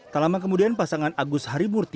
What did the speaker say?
tak lama kemudian pasangan agus harimurti